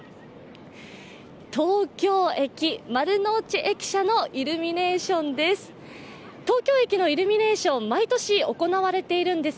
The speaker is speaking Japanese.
東京駅・丸の内駅舎のイルミネーションです。